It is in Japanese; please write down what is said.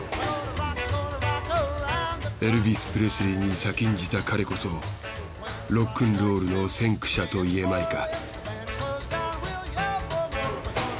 エルヴィス・プレスリーに先んじた彼こそロックンロールの先駆者と言えまいか。